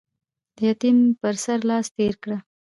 د يتيم پر سر لاس تېر کړه.